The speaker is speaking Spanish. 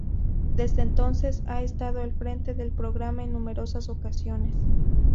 Desde entonces ha estado al frente del programa en numerosas ocasiones.